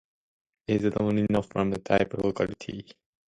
It is only known from the type locality.